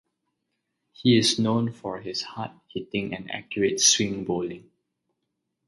He is known for his hard-hitting and accurate swing bowling.